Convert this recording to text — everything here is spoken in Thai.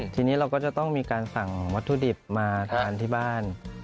ทีนี้เราก็จะต้องมีการสั่งวัตถุดิบมาทานที่บ้าน